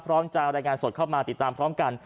พร้อมจะรายงานสดเข้ามาติดตามพร้อมกัน